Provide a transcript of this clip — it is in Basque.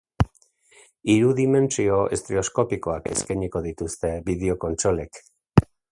Hiru dimentsio estreoskopikoak eskainiko dituzte bideo-kontsolek.